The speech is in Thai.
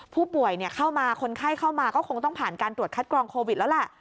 ผู้ป่วยเข้ามาคนไข้เข้ามาก็คงต้องผ่านการตรวจคัดกรองโควิดแล้วแหละ